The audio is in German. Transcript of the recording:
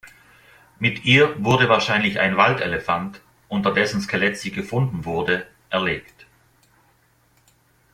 Mit ihr wurde wahrscheinlich ein Waldelefant, unter dessen Skelett sie gefunden wurde, erlegt.